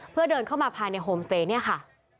เพื่อเดินเข้ามาภายในโฮมสเตย์เนี่ยค่ะ